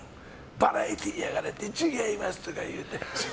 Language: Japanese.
バラエティーやからって違いますとか言うて。